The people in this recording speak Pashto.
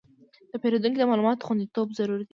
د پیرودونکو د معلوماتو خوندیتوب ضروري دی.